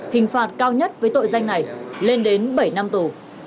hình phạt cao nhất với tội danh này lên đến bảy năm tù